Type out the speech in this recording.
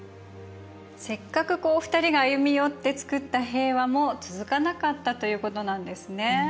せっかくこう２人が歩み寄ってつくった平和も続かなかったということなんですね。